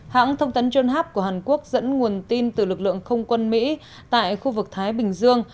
hãng thông tấn johnhap của hàn quốc dẫn nguồn tin từ lực lượng không quân mỹ tại khu vực thái bình dương